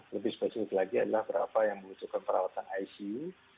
lebih spesifik lagi adalah berapa yang membutuhkan perawatan icu